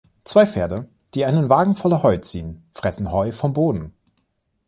Zwei Pferde, die einen Wagen voller Heu ziehen, fressen Heu vom Boden.